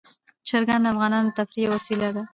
چرګان د افغانانو د تفریح یوه وسیله ده.